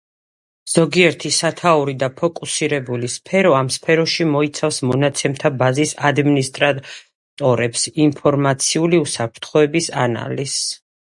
ზოგიერთი სათაური და ფოკუსირებული სფერო ამ სფეროში მოიცავს მონაცემთა ბაზის ადმინისტრატორებს, ინფორმაციული უსაფრთხოების ანალიზს